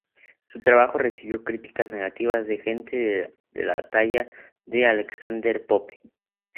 Su trabajo recibió críticas negativas de gente de la talla de Alexander Pope.